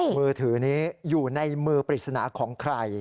มือถือนี้อยู่ในมือปริศนาของใคร